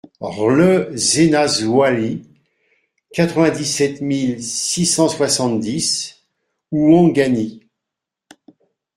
RLE ZAINA MSOILI, quatre-vingt-dix-sept mille six cent soixante-dix Ouangani